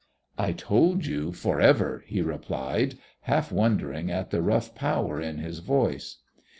"I hold you for ever," he replied, half wondering at the rough power in his voice.